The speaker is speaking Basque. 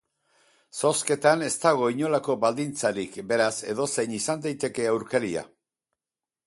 Zozketan ez dago inolako baldintzarik, beraz, edozein izan daiteke aurkaria.